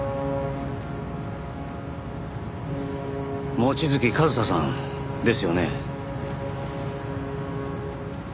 望月和沙さんですよね？